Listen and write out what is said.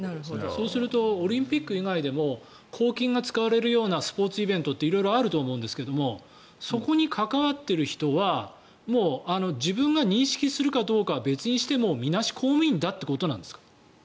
そうすればオリンピック以外でも公金が使われるようなスポーツイベントって色々あると思うんですがそこに関わっている人はもう自分が認識するかどうかは別にしてみなし公務員だってことなんですか？